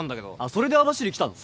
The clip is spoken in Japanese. それで網走来たの？